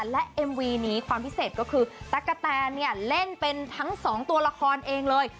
และเอ็มวีนี้ความพิเศษก็คือตั๊กกะแตนเนี่ยเล่นเป็นทั้งสองตัวละครเองเลย